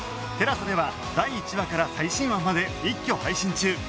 ＴＥＬＡＳＡ では第１話から最新話まで一挙配信中